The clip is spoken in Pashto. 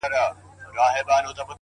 • د پاچا لمن لاسونو كي روان وه,